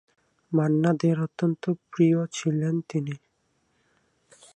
মান্না দে'র অত্যন্ত প্রিয় ছিলেন তিনি।